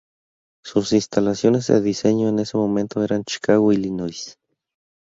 Sus instalaciones de diseño en ese momento eran Chicago, Illinois.